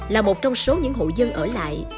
là một trong số những hộ dân ở lại